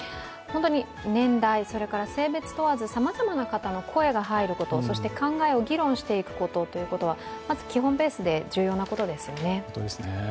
年代、性別を問わず、さまざまの方の声が入ること、そして考えを議論していくということは、まず、基本ベースで重要なことですよね。